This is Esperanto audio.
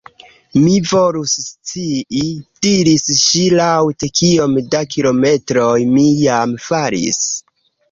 "Mi volus scii," diris ŝi laŭte, "kiom da kilometroj mi jam falis."